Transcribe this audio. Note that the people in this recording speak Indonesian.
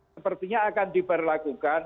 sepertinya akan diberlakukan